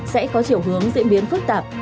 sẽ có chiều hướng diễn biến phức tạp